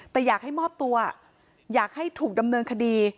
แต่อยากให้มอบตัวอยากให้ถูกดำเนินคดี